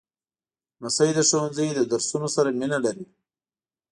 لمسی د ښوونځي له درسونو سره مینه لري.